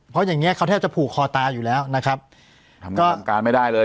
เพราะอย่างเงี้เขาแทบจะผูกคอตายอยู่แล้วนะครับทำงานสั่งการไม่ได้เลย